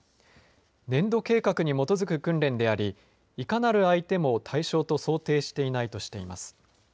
年度計画に基づく訓練でありいかなる相手も対象と想定していないとしています。